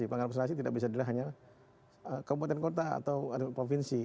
pelanggaran administrasi tidak bisa dilihat hanya kabupaten kota atau provinsi